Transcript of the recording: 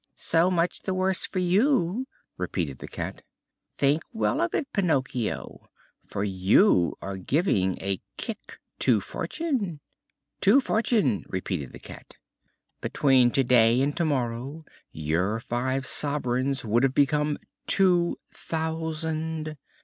"So much the worse for you!" repeated the Cat. "Think well of it, Pinocchio, for you are giving a kick to fortune." "To fortune!" repeated the Cat. "Between today and tomorrow your five sovereigns would have become two thousand."